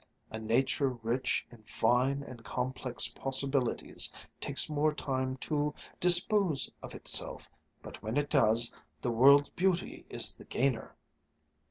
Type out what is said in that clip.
A nature rich in fine and complex possibilities takes more time to dispose of itself, but when it does, the world's beauty is the gainer."